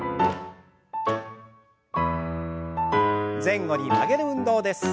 前後に曲げる運動です。